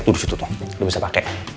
tuh disitu tuh lo bisa pakai